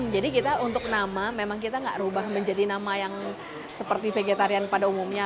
jadi kita untuk nama memang kita gak rubah menjadi nama yang seperti vegetarian pada umumnya